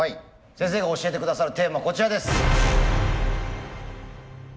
先生が教えて下さるテーマはこちらです。